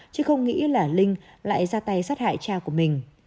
chứ không nghĩ là linh lại ra tay sát hại cha của mình